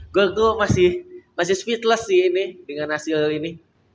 gue tuh masih speechless sih ini dengan hasil ini